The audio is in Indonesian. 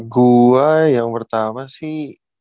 gue yang pertama sih